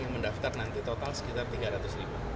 yang mendaftar nanti total sekitar tiga ratus ribu